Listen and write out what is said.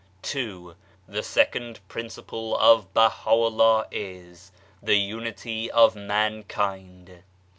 II. The second principle of Baha'u'llah is : The Unity of Mankind.